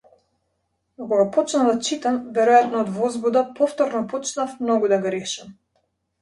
Но кога почнав да читам, веројатно од возбуда, повторно почнав многу да грешам.